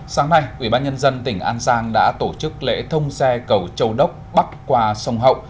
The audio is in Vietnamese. sáng nay ubnd tỉnh an giang đã tổ chức lễ thông xe cầu châu đốc bắt qua sông hậu